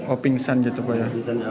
oh pingsan gitu pak ya